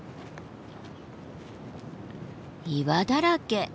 岩だらけ。